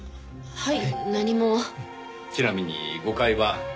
はい。